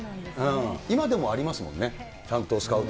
今でもありますもんね、ちゃんとスカウト。